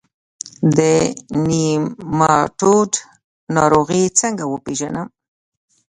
د نیماټوډ ناروغي څنګه وپیژنم؟